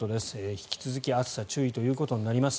引き続き、暑さ注意ということになります。